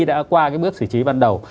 đã qua cái bước sử trí ban đầu